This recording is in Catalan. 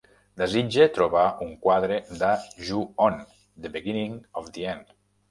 Desitge trobar un quadre de "Ju-On: The Beginning of the End"